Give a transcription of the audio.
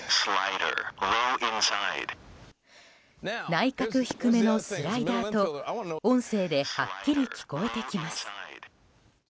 内角低めのスライダーと音声ではっきり聞こえてきます。